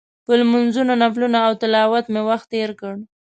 په لمونځونو، نفلونو او تلاوت مې وخت تېر کړ.